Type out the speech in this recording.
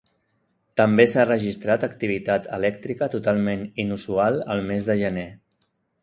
També s'ha registrat activitat elèctrica totalment inusual al mes de gener.